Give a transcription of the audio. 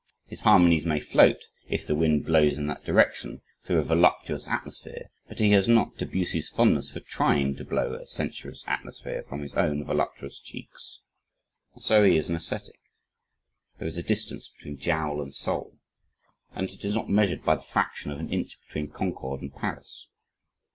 His harmonies may float, if the wind blows in that direction, through a voluptuous atmosphere, but he has not Debussy's fondness for trying to blow a sensuous atmosphere from his own voluptuous cheeks. And so he is an ascetic! There is a distance between jowl and soul and it is not measured by the fraction of an inch between Concord and Paris.